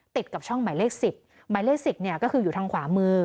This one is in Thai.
ติดกับช่องหมายเลข๑๐หมายเลข๑๐เนี่ยก็คืออยู่ทางขวามือ